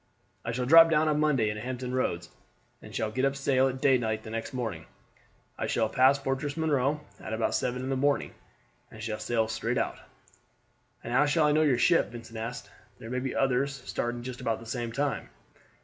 "I shall drop down on Monday into Hampton Roads, and shall get up sail at daylight next morning. I shall pass Fortress Monroe at about seven in the morning, and shall sail straight out." "And how shall I know your ship?" Vincent asked. "There may be others starting just about the same time."